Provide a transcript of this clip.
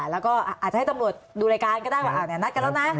แล้วก็อาจจะให้ตำรวจดูรายการก็ได้ว่านัดกันแล้วนะ